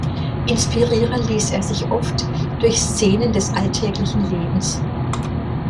Inspirieren ließ er sich oft durch Szenen des alltäglichen Lebens.